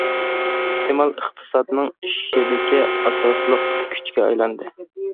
ئىستېمال ئىقتىسادنىڭ ئېشىشىدىكى ئاساسلىق كۈچكە ئايلاندى.